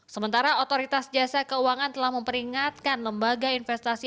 sementara otoritas jasa keuangan telah memperingatkan lembaga investasi